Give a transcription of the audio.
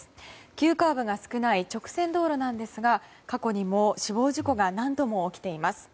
急カーブが少ない直線道路なんですが過去にも死亡事故が何度も起きています。